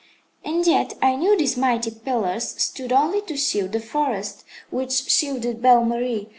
"And yet I knew these mighty pillars stood only to shield the forest which shielded Belle Marie.